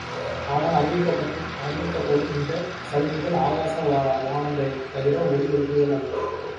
ஆனால் அறிவிக்கப்படும் இந்தச் சலுகைகள் ஆகாச வாணங்களே தவிர, ஒளி விளக்குகள் அல்ல.